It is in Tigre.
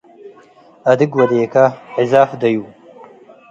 አድግ ወዴከ ዕዛፍ ደዩ።